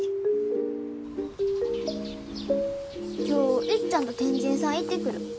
今日いっちゃんと天神さん行ってくる。